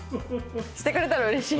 してくれたらうれしい。